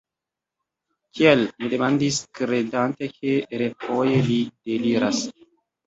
Kial? mi demandis, kredante ke refoje li deliras.